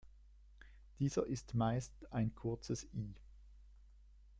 Dieser ist meist ein kurzes "i".